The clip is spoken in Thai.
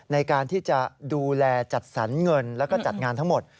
ในการที่จะดูแลจัดสรรเงินแล้วก็จัดงานทั้งหมด